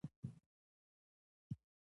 د لیاقت ازموینه یې ورکړه.